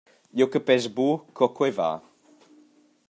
Jeu capeschel buca co quei va.